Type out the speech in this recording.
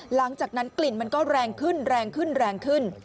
หลังจากนั้นกลิ่นมันก็แรงขึ้น